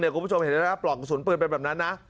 คุณผู้ชมเห็นเลยนะปลอกกระสุนปืนเป็นแบบนั้นนะ